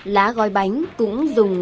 lá gói bánh cũng dùng